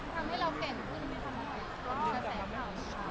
ทำให้เราเก่งขึ้นไหมคะมันเป็นแสดง